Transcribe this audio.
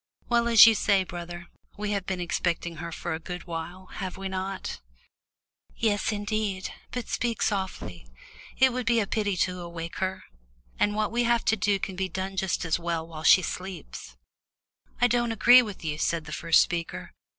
Well, as you say, brother, we have been expecting her for a good while, have we not?" "Yes, indeed, but speak softly. It would be a pity to awake her. And what we have to do can be done just as well while she sleeps." "I don't agree with you," said the first speaker.